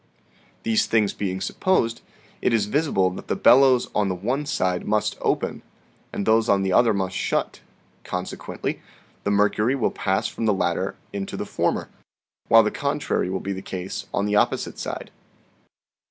" These things being supposed, it is visible that the bel lows on the one side must open, and those on the other must shut ; consequently, the mercury will pass from the latter into the former, while the contrary will be the case on the opposite side."